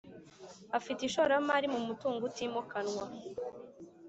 Afite ishoramari mu mutungo utimukanwa